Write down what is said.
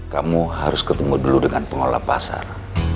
kamu harus ketemu dulu dengan pengelola pasar